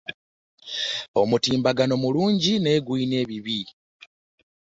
Omutimbagano mulungi naye era gulina ebibi.